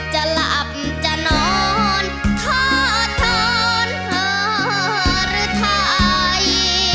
จะหลับจะนอนถ้าท้อนหรือท้าย